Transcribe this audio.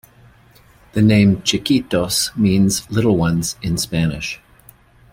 The name Chiquitos means "little ones" in Spanish.